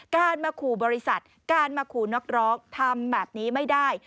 การมะครูบริษัทการมะครูนอกร้องทำแบบนี้ไม่ได้